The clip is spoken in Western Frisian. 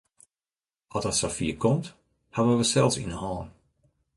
Oft it safier komt, hawwe we sels yn de hân.